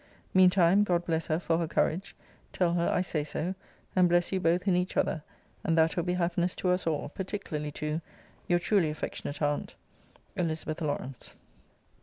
Mean time, God bless her for her courage, (tell her I say so;) and bless you both in each other; and that will be happiness to us all particularly to Your truly affectionate Aunt, ELIZ. LAWRANCE.